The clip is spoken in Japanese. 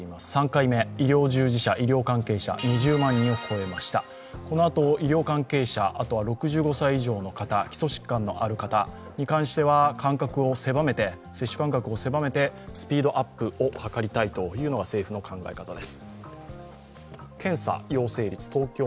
このあと医療関係者、あとは６５歳以上の方、基礎疾患のある方に関しては接種間隔を狭めてスピードアップを図りたいというのが政府の考え方です。